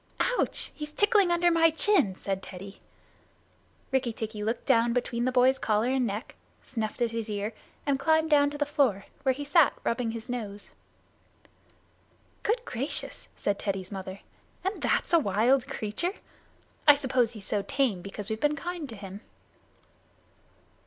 "Ouch! He's tickling under my chin," said Teddy. Rikki tikki looked down between the boy's collar and neck, snuffed at his ear, and climbed down to the floor, where he sat rubbing his nose. "Good gracious," said Teddy's mother, "and that's a wild creature! I suppose he's so tame because we've been kind to him."